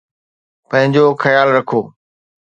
پنهنجو خيال رکو